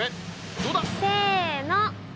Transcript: どうだ？せの！